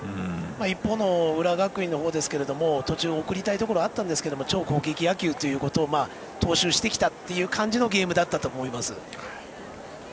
一方の浦和学院のほうは途中、送りたいところあったんですが超攻撃野球ということを踏襲してきたという感じのゲームだったと思います。